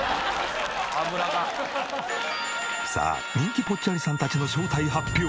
さあ人気ぽっちゃりさんたちの正体発表。